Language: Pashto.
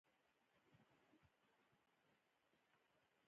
قلم فکرونه بیانوي.